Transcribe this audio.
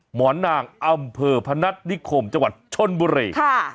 หมอนางอำเภอพนัฐนิคมจังหวัดชนบุรี